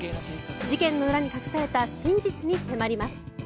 事件の裏に隠された真実に迫ります。